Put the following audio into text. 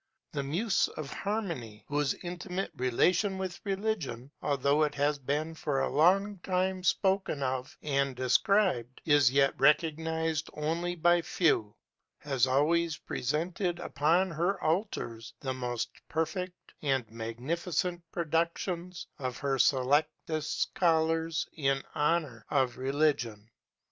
The Muse of Harmony, whose intimate relation with religion, although it has been for a long time spoken of and described, is yet recognized only by few, has always presented upon her altars the most perfect and magnificent productions of her selectest scholars in honor of religion.